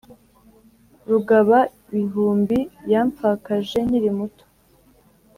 rugaba-bihumbi yampfakaje nkiri muto,